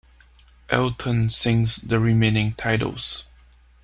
Elton sings the remaining titles.